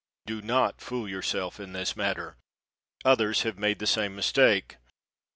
Do not fool yourself in this manner. Others have made the same mistake.